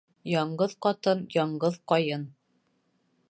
Яңғыҙ ҡатын яңғыҙ ҡайын.